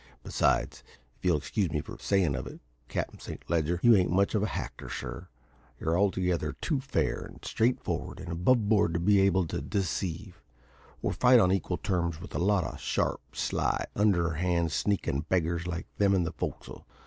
Besides, if you'll excuse me for sayin' of it, Captain Saint Leger, you ain't much of a hactor, sir; you're altogether too fair, and straightfor'ard, and aboveboard to be able to deceive, or fight on equal terms with a lot of sharp, sly, underhand, sneakin' beggars like them in the fo'c's'le.